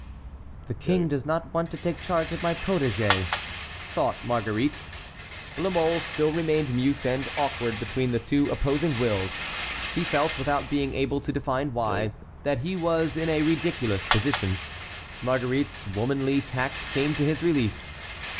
"The king does not want to take charge of my protégé," thought Marguerite. La Mole still remained mute and awkward between the two opposing wills. He felt, without being able to define why, that he was in a ridiculous position. Marguerite's womanly tact came to his relief.